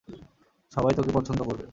সবাই তোকে পছন্দ করবে।